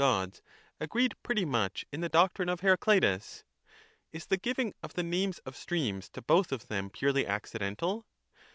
Gods, agreed pretty much in the doctrine of Heracleitus? Is the giving of the names of streams to both of them purely accidental?